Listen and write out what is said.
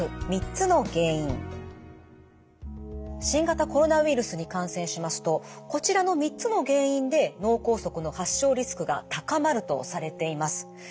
新型コロナウイルスに感染しますとこちらの三つの原因で脳梗塞の発症リスクが高まるとされています。